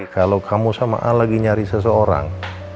kalau kamu sama ah lagi nyari seseorang